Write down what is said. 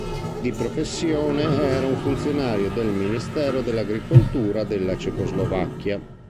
Di professione era un funzionario del Ministero dell'agricoltura della Cecoslovacchia.